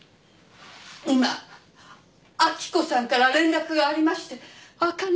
今明子さんから連絡がありましてあかね